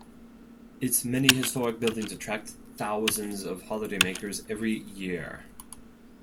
Its many historic buildings attract thousands of holidaymakers every year.